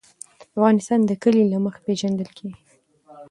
افغانستان د کلي له مخې پېژندل کېږي.